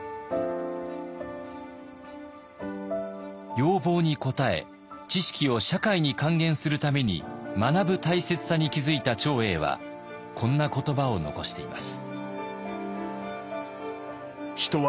要望に応え知識を社会に還元するために学ぶ大切さに気付いた長英はこんな言葉を残しています。